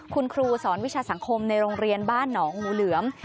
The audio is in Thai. คุณครูสอนวิชาสังคมในโรงเรียนบ้านหนองหมูเหลือง